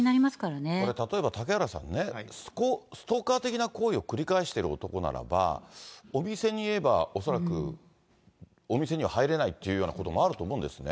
例えば嵩原さんね、ストーカー的な行為を繰り返している男ならば、お店に言えば恐らく、お店には入れないっていうようなこともあると思うんですね。